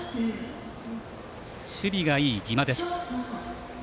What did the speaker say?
守備がいい儀間です。